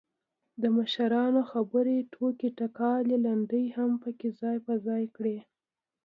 دمشرانو خبرې، ټوکې ټکالې، لنډۍ هم پکې ځاى په ځاى کړي.